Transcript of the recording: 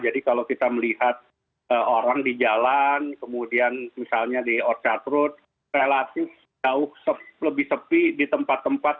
jadi kalau kita melihat orang di jalan kemudian misalnya di orchard road relatif lebih sepi di tempat tempat